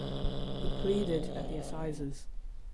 He pleaded at the assizes.